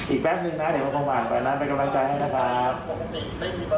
อีกแปบหนึ่งนะเดี๋ยวแล้วมากับถ่ายเองนะครับ